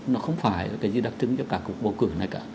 nó không phải là cái gì đặc trưng cho cả cuộc bầu cử này cả